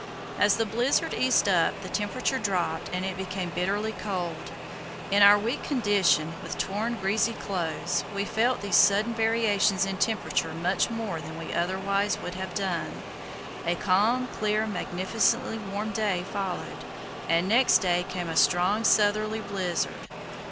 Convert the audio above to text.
As the blizzard eased up, the temperature dropped and it became bitterly cold. In our weak condition, with torn, greasy clothes, we felt these sudden variations in temperature much more than we otherwise would have done. A calm, clear, magnificently warm day followed, and next day came a strong southerly blizzard.